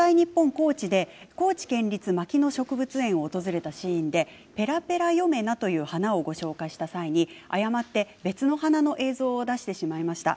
高知で高知県立牧野植物園を訪れたシーンでペラペラヨメナという花をご紹介した際に誤って別の花の映像を出してしまいました。